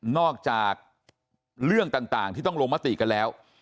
อกจากเรื่องต่างที่ต้องลงมติกันแล้ว